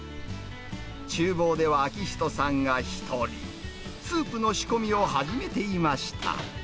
ちゅう房では明人さんが一人、スープの仕込みを始めていました。